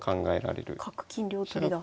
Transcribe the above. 角金両取りだ。